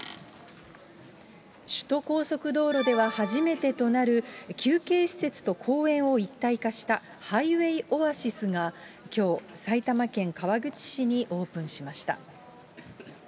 首都高速道路では初めてとなる休憩施設と公園を一体化した、ハイウェイオアシスがきょう、埼玉県川口市にオープンしました。